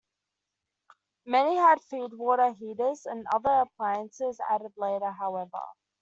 Many had feedwater heaters and other appliances added later, however.